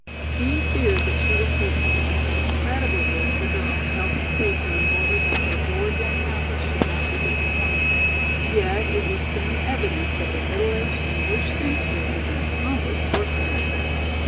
He feared that she was taking an incredible risk with her own health and safety in order that her adored young countess should not be disappointed. Yet it was soon evident that the middle aged English spinster was an accomplished horsewoman.